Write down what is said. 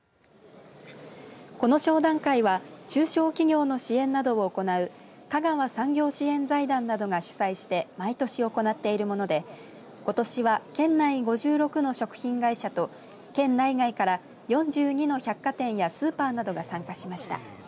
この商談会は、中小企業の支援などを行うかがわ産業支援財団などが主催して毎年行っているものでことしは県内５６の食品会社と県内外から４２の百貨店やスーパーなどが参加しました。